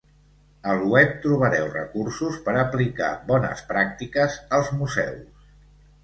Al web trobareu recursos per aplicar bones pràctiques als museus.